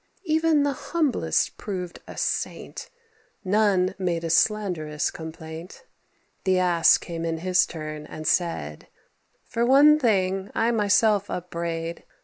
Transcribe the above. Even the humblest proved a saint: None made a slanderous complaint. The Ass came in his turn, and said, "For one thing I myself upbraid.